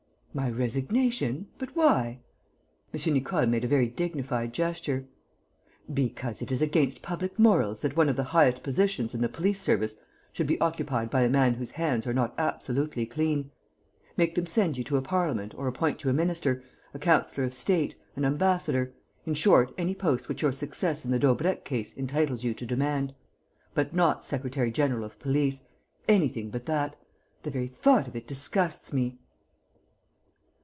"My resignation? But why?" M. Nicole made a very dignified gesture: "Because it is against public morals that one of the highest positions in the police service should be occupied by a man whose hands are not absolutely clean. Make them send you to parliament or appoint you a minister, a councillor of State, an ambassador, in short, any post which your success in the Daubrecq case entitles you to demand. But not secretary general of police; anything but that! The very thought of it disgusts me."